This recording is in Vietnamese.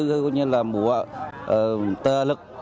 tư lực nguồn lực